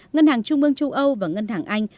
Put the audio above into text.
ngân hàng trung ương châu âu và ngân hàng anh